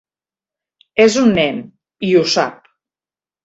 És un nen, i ho sap.